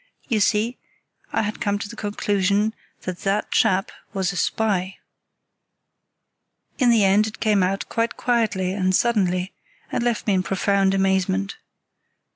You see, I had come to the conclusion that that chap was a spy." In the end it came out quite quietly and suddenly, and left me in profound amazement.